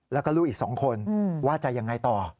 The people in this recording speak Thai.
แล้วก็ลูกอีก๒คนว่าจะยังไงต่อ